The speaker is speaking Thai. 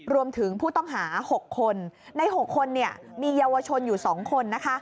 รวมถึงผู้ต้องหา๖คนใน๖คนมีเยาวชนอยู่๒คน